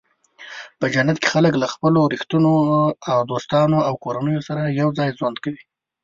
په جنت کې خلک له خپلو رښتینو دوستانو او کورنیو سره یوځای ژوند کوي.